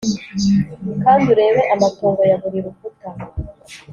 kandi urebe amatongo ya buri rukuta